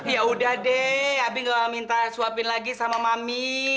ya udah deh abi nggak minta suapin lagi sama mami